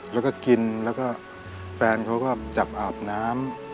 แล้วก็กินแล้วก็แฟนเขาก็จับอาบน้ำ